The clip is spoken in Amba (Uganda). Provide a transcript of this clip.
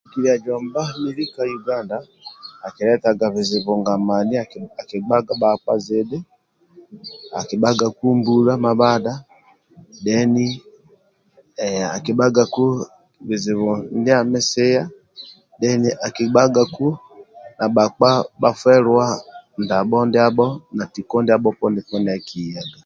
Jomba mili ka Uganda akiletaga bizibu nga mani akibhaga bhakpa zidhi akibhagaku mbula mamadha akibhagaku bizibu ndia misiya akibhagaku ndabho ndiabho.